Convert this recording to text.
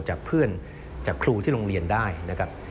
จากเพื่อนจากครูที่โรงเรียนได้นะครับ